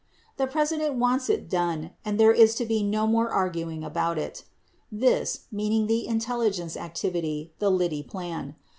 "The President wants it done and there is to be no more arguing about it." This, meaning the intelligence activity, the Liddy program.